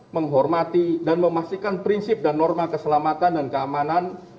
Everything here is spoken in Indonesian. menghormati dan memastikan prinsip dan norma keselamatan dan keamanan